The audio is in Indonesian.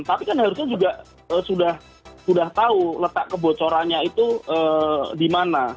tapi kan harusnya juga sudah tahu letak kebocorannya itu di mana